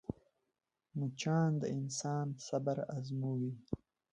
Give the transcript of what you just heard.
مچان د انسان صبر ازموي